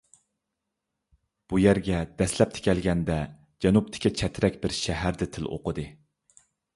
بۇ يەرگە دەسلەپتە كەلگەندە جەنۇبتىكى چەترەك بىر شەھەردە تىل ئوقۇدۇق.